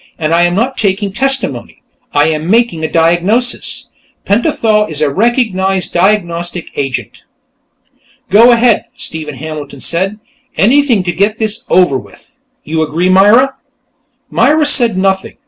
"And I am not taking testimony; I am making a diagnosis. Pentathol is a recognized diagnostic agent." "Go ahead," Stephen Hampton said. "Anything to get this over with.... You agree, Myra?" Myra said nothing.